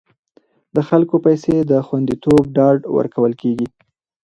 د خلکو د پیسو د خوندیتوب ډاډ ورکول کیږي.